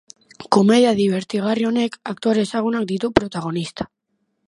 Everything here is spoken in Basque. Komedia dibertigarri honek aktore ezagunak ditu protagonista.